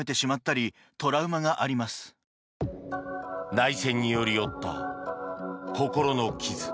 内戦により負った心の傷。